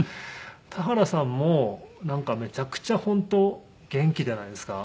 田原さんもなんかめちゃくちゃ本当元気じゃないですか。